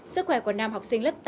sức khỏe của nam học sinh lớp tám